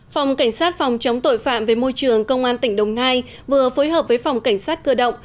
phòng cảnh sát phòng chống tội phạm về môi trường công an tỉnh đồng nai vừa phối hợp với phòng cảnh sát cơ động